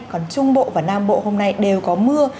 còn trung bộ và nam bộ hôm nay đều có mưa